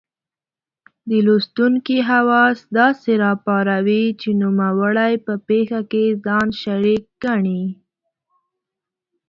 د لوستونکې حواس داسې را پاروي چې نوموړی په پېښه کې ځان شریک ګڼي.